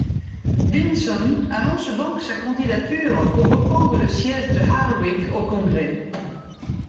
Vinson annonce donc sa candidature pour reprendre le siège d'Hardwick au Congrès.